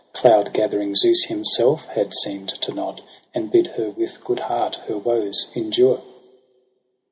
Cloud gathering Zeus himself had seemM to nod, And bid her with good heart her woes endure.